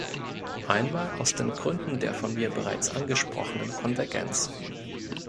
Einmal aus den Gründen der von mir bereits angesprochenen Konvergenz.